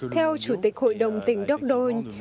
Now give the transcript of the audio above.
theo chủ tịch hội đồng tỉnh dordogne